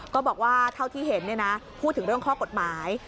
ก็บอกว่าเท่าที่เห็นพูดถึงเรื่องข้อกฎหมาย